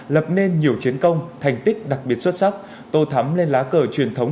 lập nên nhiều chiến công thành tích đặc biệt xuất sắc tô thắm lên lá cờ truyền thống